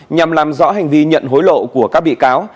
nhằm làm rõ hành vi nhận hối lộ của các bị cáo